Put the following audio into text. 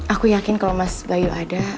aku yakin kalau mas bayu ada